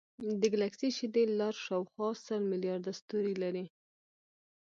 د ګلکسي شیدې لار شاوخوا سل ملیارده ستوري لري.